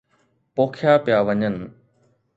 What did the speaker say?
پوکيا پيا وڃن.